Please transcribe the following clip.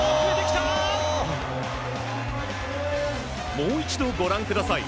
もう一度ご覧ください。